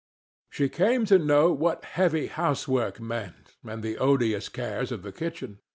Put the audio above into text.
She came to know what heavy housework meant and the odious cares of the kitchen.